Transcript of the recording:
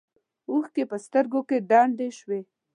اوښکې په سترګو کې ډنډ شوې.